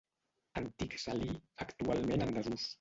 Antic salí, actualment en desús.